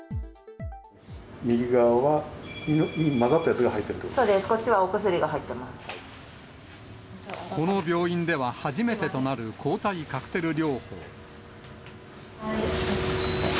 右側は混ざったやつが入ってそうです、こっちはお薬が入この病院では初めてとなる抗体カクテル療法。